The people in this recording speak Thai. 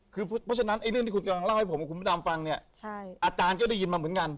เพราะฉะนั้นเรื่องที่คุณก๋อล่าวให้ผมมีคนผ่านก็ได้ยินมันเหมือนกัน